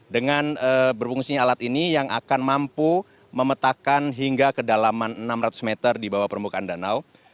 dengan berfungsinya alat ini yang akan mampu memetakan hingga kedalaman enam ratus meter di bawah permukaan danau